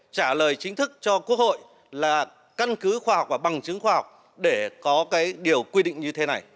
trả lời chính thức cho quốc hội là căn cứ khoa học và bằng chứng khoa học để có cái điều quy định như thế này